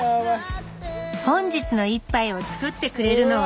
本日の一杯を作ってくれるのは？